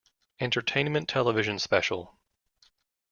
Entertainment Television special.